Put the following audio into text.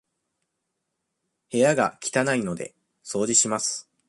部屋が汚いので、掃除します。